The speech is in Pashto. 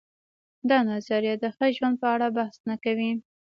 دا نظریه د ښه ژوند په اړه بحث نه کوي.